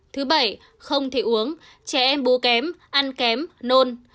thứ bảy không thể uống trẻ em bố kém ăn kém nôn